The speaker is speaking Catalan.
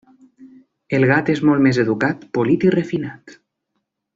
El gat és molt més educat, polit i refinat.